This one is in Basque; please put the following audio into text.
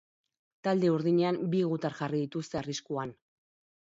Talde urdinean bi gutar jarri dituzte arriskuan.